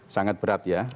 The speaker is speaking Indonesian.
sangat berat ya